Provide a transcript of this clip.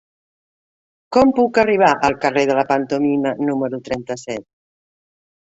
Com puc arribar al carrer de la Pantomima número trenta-set?